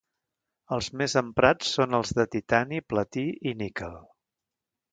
Els més emprats són els de titani, platí i niquel.